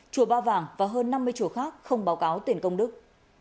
chùa ba vàng và hơn năm mươi chùa khác không báo cáo tiền công đức